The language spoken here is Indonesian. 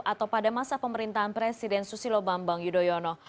atau pada masa pemerintahan presiden susilo bambang yudhoyono